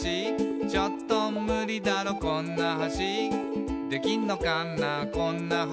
「ちょっとムリだろこんな橋」「できんのかなこんな橋」